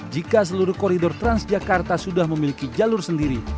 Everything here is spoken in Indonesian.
jika seluruh koridor transjakarta sudah memiliki jalur sendiri